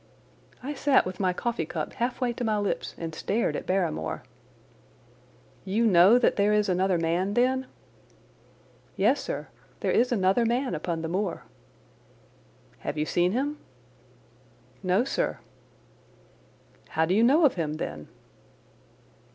I sat with my coffee cup halfway to my lips and stared at Barrymore. "You know that there is another man then?" "Yes, sir; there is another man upon the moor." "Have you seen him?" "No, sir." "How do you know of him then?"